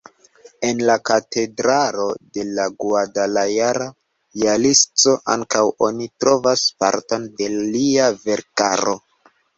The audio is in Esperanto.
En la katedralo de Guadalajara, Jalisco, ankaŭ oni trovas parton de lia verkaro.